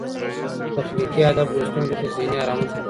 تخلیقي ادب لوستونکو ته ذهني ارامښت وربښي.